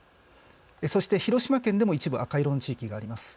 そして、広島県でも一部赤色の地域があります。